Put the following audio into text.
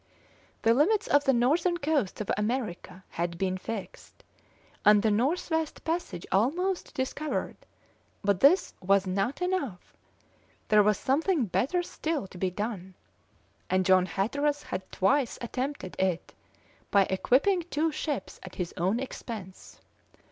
The limits of the northern coasts of America had been fixed, and the North West passage almost discovered, but this was not enough; there was something better still to be done, and John Hatteras had twice attempted it by equipping two ships at his own expense.